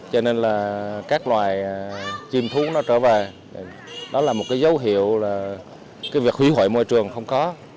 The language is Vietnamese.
cho nên là các loài chim thú nó trở về đó là một cái dấu hiệu là cái việc hủy hoại môi trường không có